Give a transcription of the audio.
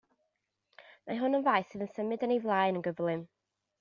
Mae hwn yn faes sydd yn symud yn ei flaen yn gyflym.